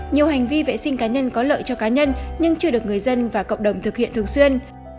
nhiều hành vi vệ sinh cá nhân có lợi cho cá nhân nhưng chưa được người dân và cộng đồng thực hiện thường xuyên